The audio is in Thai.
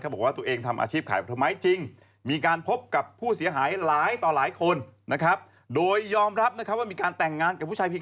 มันสำคัญแค่เขาว่างั้น